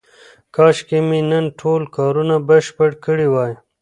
کاشکې مې نن ټول کارونه بشپړ کړي وای.